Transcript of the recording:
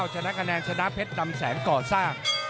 ชนะกระแนนชนะเพชรดำแสงก่อซาก